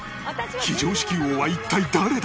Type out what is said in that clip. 非常識王は一体誰だ？